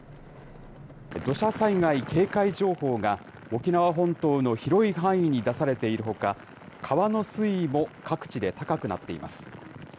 土砂災害警戒情報が、沖縄本島の広い範囲に出されているほか、川の水位も各地で高くなっています。